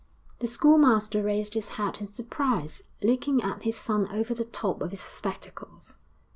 The schoolmaster raised his head in surprise, looking at his son over the top of his spectacles.